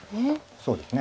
そうですね。